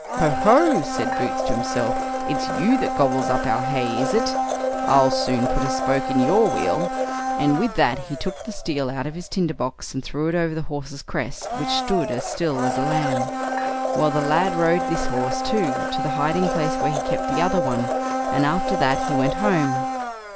"Ho ho!" said Boots to himself; "it's you that gobbles up our hay, is it? I'll soon put a spoke in your wheel"; and with that he took the steel out of his tinder box, and threw it over the horse's crest, which stood as still as a lamb. Well, the lad rode this horse, too, to the hiding place where he kept the other one, and after that he went home.